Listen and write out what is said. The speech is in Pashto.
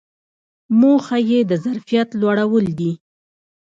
موخه یې د ظرفیت لوړول دي.